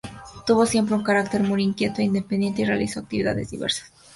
Tuvo siempre un carácter muy inquieto e independiente, y realizó actividades diversas.